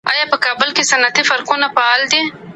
ولي په حضوري ټولګیو کي ملګرتیا له انټرنیټي ټولګیو ډېره وي؟